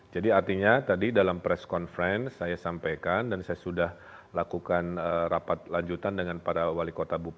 jadi artinya tadi dalam press conference saya sampaikan dan saya sudah lakukan rapat lanjutan dengan para wali kota bupati